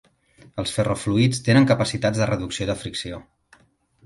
Els ferrofluids tenen capacitats de reducció de fricció.